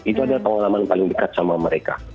itu adalah pengalaman paling dekat sama mereka